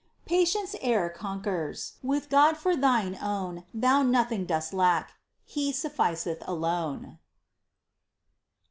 Patience e'er conquers ; With God for thine own Thou nothing dost lack — He suííiceth alone